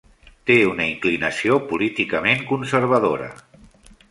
Té una inclinació políticament conservadora.